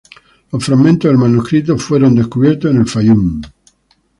Los fragmentos del manuscrito fueron descubiertos en el Fayum.